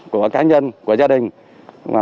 của cá nhân của gia đình